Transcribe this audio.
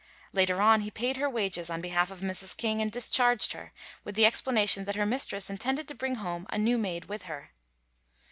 Later on he paid her wages on behalf of Mrs. King and discharged her, with the explanation that her mistress intended to bring home a new maid with her.